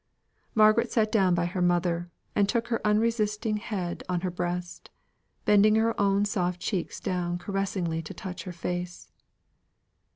Margaret sat down by her mother, and took her unresisting head on her breast, bending her own soft cheeks down caressingly to touch her face.